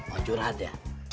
oh curhat ya